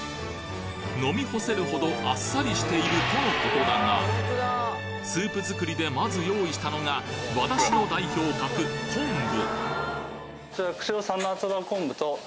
飲み干せるほどあっさりしているとの事だがスープ作りでまず用意したのが和だしの代表格昆布！